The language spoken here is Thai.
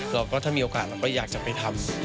เราก็ถ้ามีโอกาสเราก็อยากจะไปทำ